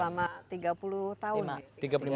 selama tiga puluh tahun